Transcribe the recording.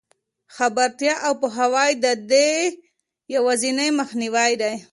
خبرتیا او پوهاوی د دې یوازینۍ مخنیوی دی.